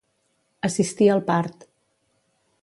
Assistir al part.